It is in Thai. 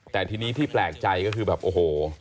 แต่ทีนี้ที่แปลกใจก็คือแบบโอ้โห